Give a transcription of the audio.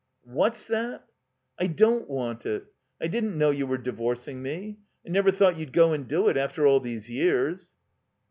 "What's that?" "I don't want it. I didn't know you were divorc ing me. I never thought you'd go and do it after all thedfe years."